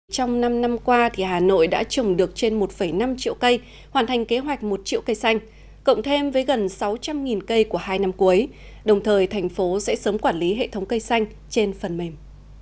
trong năm năm qua hà nội đã trồng được trên một năm triệu cây hoàn thành kế hoạch một triệu cây xanh cộng thêm với gần sáu trăm linh cây của hai năm cuối đồng thời thành phố sẽ sớm quản lý hệ thống cây xanh trên phần mềm